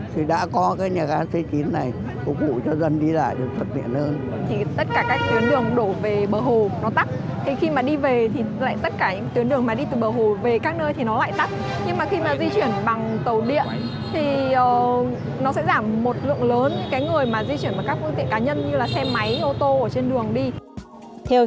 thì đã có cái nhà ga c chín này ủng hộ cho dân đi lại được phát triển hơn